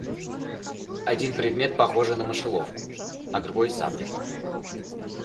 Один предмет, похожий на мышеловку, а другой сабля.